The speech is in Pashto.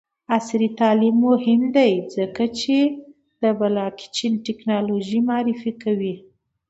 عصري تعلیم مهم دی ځکه چې د بلاکچین ټیکنالوژي معرفي کوي.